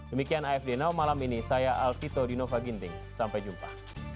demikian afd now malam ini saya alvito dinova ginting sampai jumpa